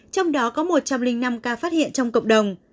trong đó có một trăm linh năm ca phát hiện trong cộng đồng